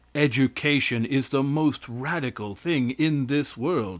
Education is the most radical thing in this world.